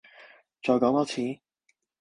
再講多次？